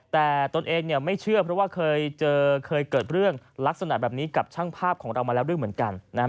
แต่ตนเองไม่เชื่อเพราะว่าเคยเกิดเรื่องลักษณะแบบนี้กับช่างภาพของเรามาแล้วเรื่องเหมือนกัน